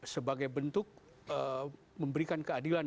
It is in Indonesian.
sebagai bentuk memberikan keadilan